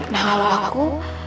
nah kalau aku